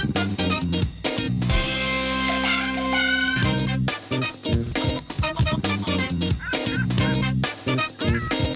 โปรดติดตามตอนต่อไป